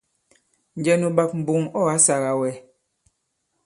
Njɛ nu ɓak mboŋ ɔ̂ ǎ sāgā wɛ?